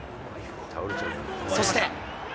そして。